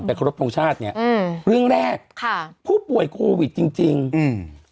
ครบทรงชาติเนี้ยอืมเรื่องแรกค่ะผู้ป่วยโควิดจริงจริงอืม